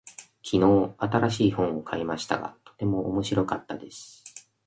昨日、新しい本を買いましたが、とても面白かったです。